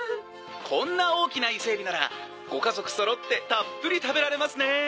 「こんな大きな伊勢エビならご家族そろってたっぷり食べられますね！」